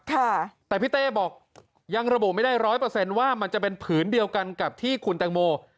แต่พี่เต้บอกยังระบุไม่ได้ร้อยเปอร์เซ็นต์ว่ามันจะเป็นผืนเดียวกันกับที่คุณแตงโม